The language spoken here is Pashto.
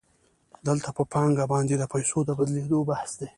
دلته په پانګه باندې د پیسو د بدلېدو بحث دی